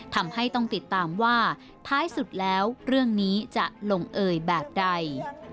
ทำให้ต้องติดตามว่าท้ายสุดแล้วเรื่องนี้จะลงเอยแบบใด